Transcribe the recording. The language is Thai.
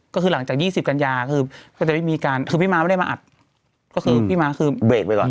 ก็คือหลังจาก๒๐กันยาคือก็จะได้มีการคือพี่ม้าไม่ได้มาอัดก็คือพี่ม้าคือเบรกไปก่อน